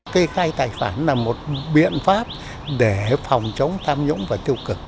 kê khai tài sản là một biện pháp để phòng chống tham nhũng và tiêu cực